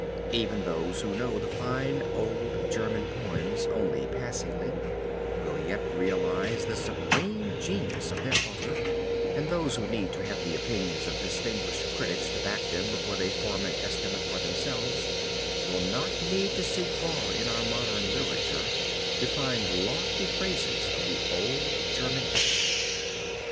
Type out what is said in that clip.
Even those who know the fine old German poems only passingly, will yet realize the supreme genius of their author, and those who need to have the opinions of distinguished critics to back them before they form an estimate for themselves, will not need to seek far in our modern literature to find lofty praises of the old German epic.